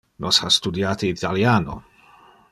Nos ha studiate italiano.